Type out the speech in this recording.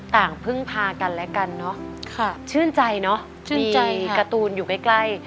ต่างพึ่งพากันและกันเนอะชื่นใจเนอะชื่นใจการ์ตูนอยู่ใกล้